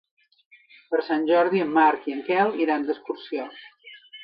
Per Sant Jordi en Marc i en Quel iran d'excursió.